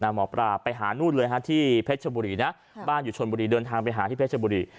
หมอปลาไปหานู่นเลยฮะที่เพชรชบุรีนะบ้านอยู่ชนบุรีเดินทางไปหาที่เพชรบุรี